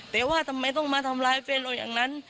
แต่ว่าทำไมต้องมาทำร้ายแฟนเราอย่างนั้น